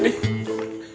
udah pak d